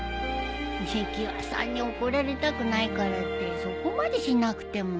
みぎわさんに怒られたくないからってそこまでしなくても。